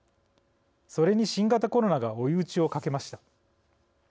それに、新型コロナが追い打ちをかけました。